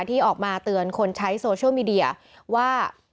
ที่ออกมาเตือนคนใช้โซเชียลมีเดียว่า